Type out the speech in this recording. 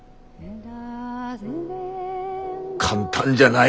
簡単じゃない。